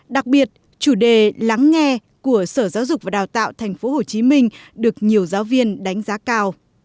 đặc biệt chủ đề lắng nghe của sở giáo dục và đào tạo tp hcm được nhiều giáo viên đánh giá cao